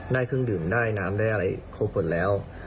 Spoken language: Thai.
เครื่องดื่มได้น้ำได้อะไรครบหมดแล้ว